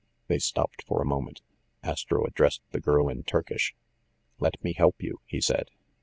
They stopped for a moment. Astro addressed the girl in Turkish. "Let me help you," he said.